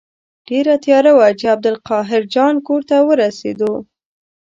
ډېره تیاره وه چې عبدالقاهر جان کور ته ورسېدو.